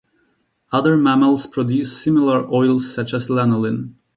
Other mammals produce similar oils such as lanolin.